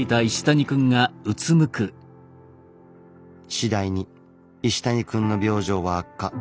次第に石谷くんの病状は悪化。